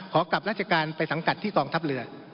ขอกลับราชการไปสังกัดที่กองทัพเรือ